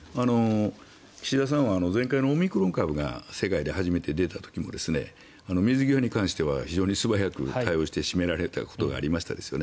岸田さんは前回のオミクロン株が世界で初めて出た時も水際に関しては非常に素早く対応して締められたことがありましたよね。